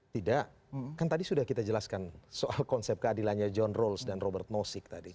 tidak kan tadi sudah kita jelaskan soal konsep keadilannya john rules dan robert nosik tadi